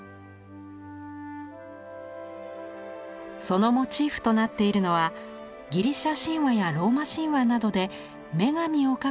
そのモチーフとなっているのはギリシャ神話やローマ神話などで女神を描く際の伝統的な構図。